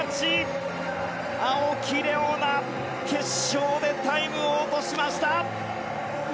青木玲緒樹決勝でタイムを落としました。